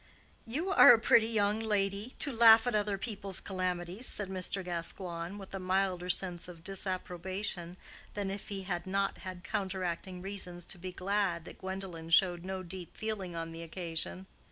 "You are a pretty young lady—to laugh at other people's calamities," said Mr. Gascoigne, with a milder sense of disapprobation than if he had not had counteracting reasons to be glad that Gwendolen showed no deep feeling on the occasion.